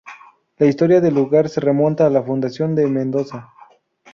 La historia del lugar se remonta a la fundación de Mendoza.